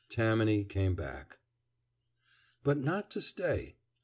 Tammany came back. But not to stay.